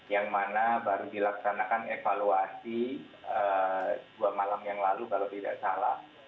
yang mana baru dilaksanakan evaluasi dua malam yang lalu kalau tidak salah